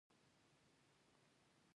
هغه پوره يوه مياشت يوه ژوره څېړنه وکړه.